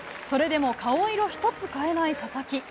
それでも顔色一つ変えない佐々木。